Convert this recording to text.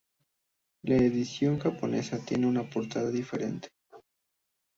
La edición japonesa tiene una portada diferente.